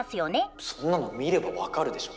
そんなの見れば分かるでしょ。